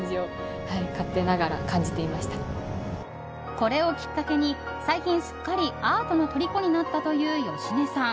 これをきっかけに最近すっかりアートのとりこになったという芳根さん。